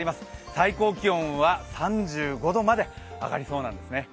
最高気温は３５度まで上がりそうなんですね。